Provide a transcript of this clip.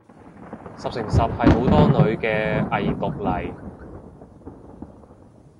十成十係好多女嘅偽毒嚟